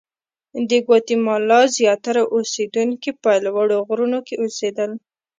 د ګواتیمالا زیاتره اوسېدونکي په لوړو غرونو کې اوسېدل.